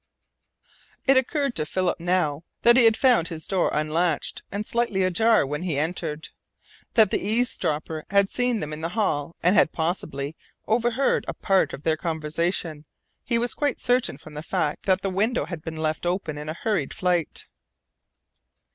It occurred to Philip now that he had found his door unlatched and slightly ajar when he entered. That the eavesdropper had seen them in the hall and had possibly overheard a part of their conversation he was quite certain from the fact that the window had been left open in a hurried flight.